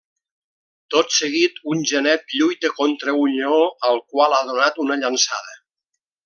Tot seguit, un genet lluita contra un lleó al qual ha donat una llançada.